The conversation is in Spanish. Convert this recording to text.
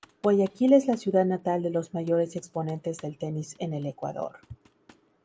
Guayaquil es la ciudad natal de los mayores exponentes del tenis en el Ecuador.